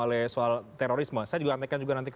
oleh soal terorisme saya juga nantikan